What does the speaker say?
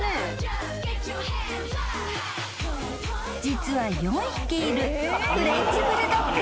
［実は４匹いるフレンチ・ブルドッグ］